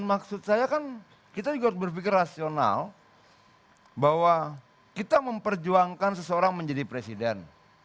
maksud saya kan kita juga harus berpikir rasional bahwa kita memperjuangkan seseorang menjadi presiden